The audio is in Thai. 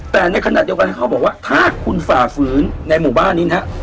แต่ในขณะเดียวกันเขาบอกว่าถ้าคุณฝ่าฝืนในหมู่บ้านนี้นะ